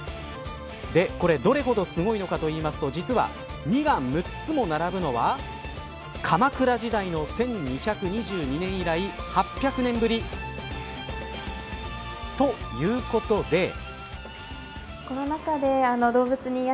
これ、どれほどすごいのかといいますと実は２が６つも並ぶのは鎌倉時代の１２２２年以来８００年ぶり。ということで。